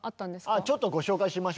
ちょっとご紹介しましょうかね。